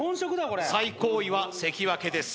これ最高位は関脇です